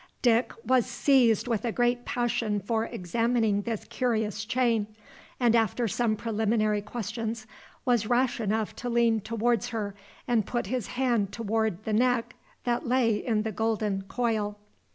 Dick was seized with a great passion for examining this curious chain, and, after some preliminary questions, was rash enough to lean towards her and put out his hand toward the neck that lay in the golden coil.